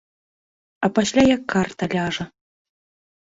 А пасля як карта ляжа.